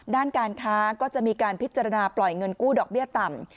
ด้านการค้าก็จะมีการพิจารณาปล่อยเงินกู้ดอกเบี้ยต่ำ